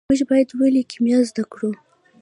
موږ ولې باید کیمیا زده کړو.